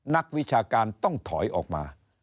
นักวิชาการต้องถอยออกมา